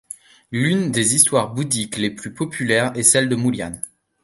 L'une des histoires bouddhiques les plus populaires est celle de Mulian.